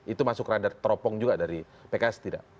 itu masuk radar teropong juga dari pks tidak